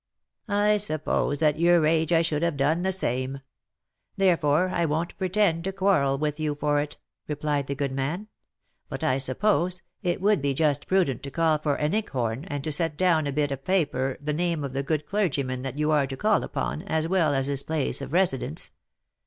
" I suppose at your age I should have done the same ; therefore I won't pretend to quarrel with you for it," replied the good man ;" but I suppose it would be just prudent to call for an ink horn, and to set down upon a bit of paper the name of the good clergyman that you are to call upon, as well as his place of residence."